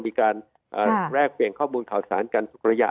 มีการแลกเปลี่ยนข้อมูลข่าวสารกันทุกระยะ